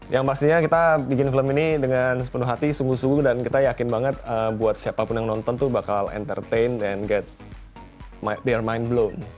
yang pastinya kita bikin film ini dengan sepenuh hati sungguh sungguh dan kita yakin banget buat siapapun yang nonton tuh bakal entertain and get their mind bloom